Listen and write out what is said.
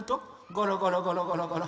ゴロゴロゴロゴロゴロ。